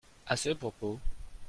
à ce propos.